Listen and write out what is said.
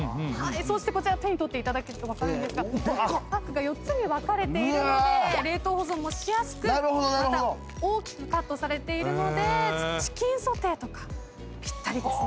そして手に取っていただくと分かるんですがパックが４つに分かれているので冷凍保存もしやすくまた大きくカットされているのでチキンソテーとかぴったりです。